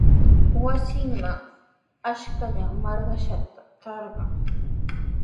Wasinman ashkallan marqashqa trarqan.